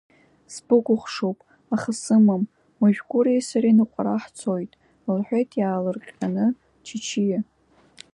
Сбыкәыхшоуп, аха сымам, уажә Гәыреи сареи ныҟәара ҳцоит, — лҳәеит иаалырҟьаны Чычиа.